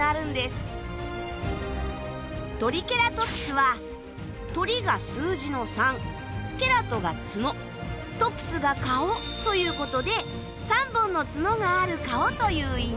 トリケラトプスはトリが数字の３ケラトが角トプスが顔ということで３本の角がある顔という意味。